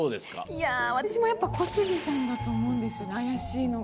いや私もやっぱ小杉さんだと思うんですよね怪しいのが。